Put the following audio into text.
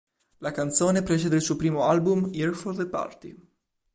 La canzone precede il suo primo album, "Here for the Party".